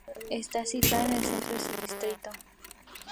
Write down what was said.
Está situada en el centro de su distrito.